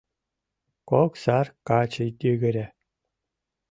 Кок сар каче йыгыре